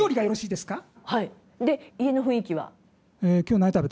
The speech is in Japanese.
で家の雰囲気は？